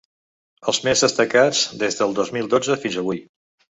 Els més destacats des del dos mil dotze fins avui.